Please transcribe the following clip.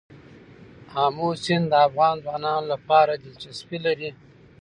آمو سیند د افغان ځوانانو لپاره دلچسپي لري.